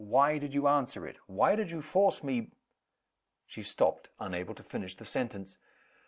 Why did you answer it? Why did you force me ?" She stopped, unable to finish the sentence.